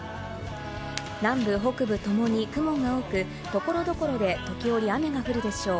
南部、北部ともに雲が多く、所々で時折雨が降るでしょう。